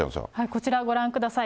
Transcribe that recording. こちらご覧ください。